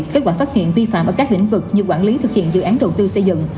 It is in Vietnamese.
kết quả phát hiện vi phạm ở các lĩnh vực như quản lý thực hiện dự án đầu tư xây dựng